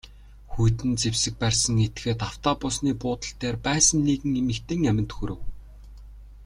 Хүйтэн зэвсэг барьсан этгээд автобусны буудал дээр байсан нэгэн эмэгтэйн аминд хүрэв.